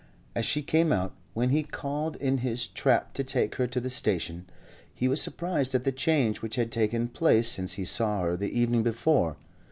As she came out, when he called in his trap to take her to the station, he was surprised at the change which had taken place since he saw her the evening before.